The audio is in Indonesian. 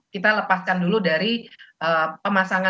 kita lepaskan dulu dari pemasangan